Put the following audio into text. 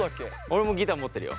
俺もギター持ってるよ。